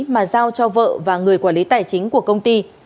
mà giao cho vợ và người quản lý tài chính của công ty